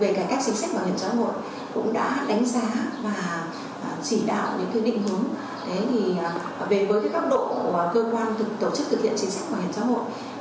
về với các độ của cơ quan tổ chức thực hiện chính sách và hình trang hội